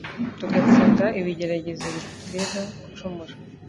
tugatsinda ibigeragezo bidutera gucumura.